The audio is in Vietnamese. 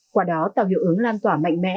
quả đó tạo hiệu ứng lan tỏa mạnh mẽ